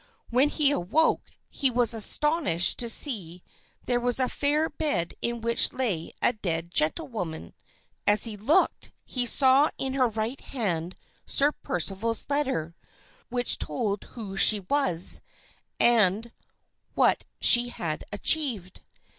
When he awoke he was astonished to see there a fair bed in which lay a dead gentlewoman. As he looked he saw in her right hand Sir Percival's letter, which told who she was and what she had achieved.